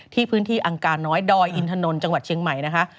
ที่พื้นที่อังกาน้อยดอยอินทนนท์จังหวัดเชียงใหม่นะคะ